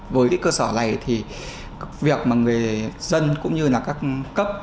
với cái cơ sở này thì việc mà người dân cũng như là các cấp